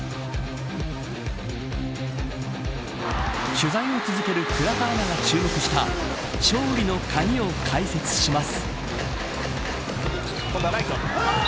取材を続ける倉田アナが注目した勝利の鍵を解説します。